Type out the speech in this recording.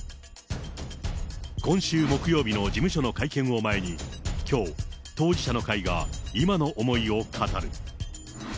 今週木曜日の事務所の会見を前に、きょう、当事者の会が今の思いを語る。